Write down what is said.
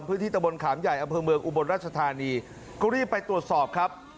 ตะบนขามใหญ่อำเภอเมืองอุบลราชธานีก็รีบไปตรวจสอบครับ